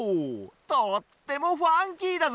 とってもファンキーだぜ！